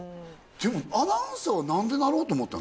でもアナウンサーは何でなろうと思ったの？